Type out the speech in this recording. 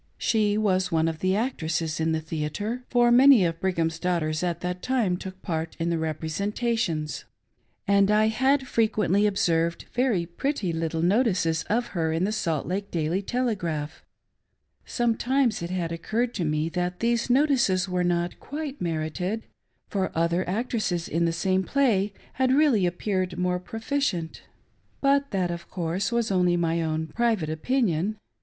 She was one of the actresses in the theatrer rfor many of Brighajfti's daughters at that time tooi part in the representations — aijd I had frequently observed very pretty little notices of her in the Salt Lake Daily Telegraph. Sometimes it had occurred to me that these notices were not quite merited, for other actresses A CURIOUS C.ONSULTATION. 537 in the same play had really appeared more proficient ; but that, of course, was only my own private opinion.